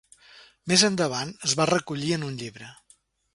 Més endavant es va recollir en un llibre.